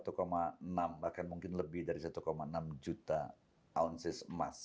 dan satu enam bahkan mungkin lebih dari satu enam juta ounces emas